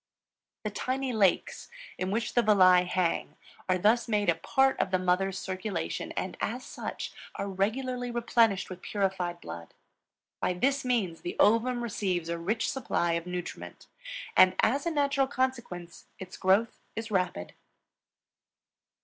The tiny lakes, in which the villi hang, are thus made a part of the mother's circulation and as such are regularly replenished with purified blood. By this means the ovum receives a rich supply of nutriment, and as a natural consequence its growth is rapid.